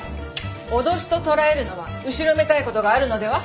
脅しと捉えるのは後ろめたいことがあるのでは？